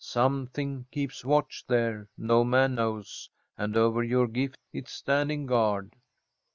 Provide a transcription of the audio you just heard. Something keeps watch there, no man knows, And over your gift it's standing guard."